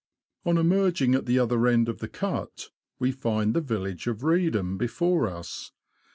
On emerging at the other end of the Cut, we find the village of Reedham before us.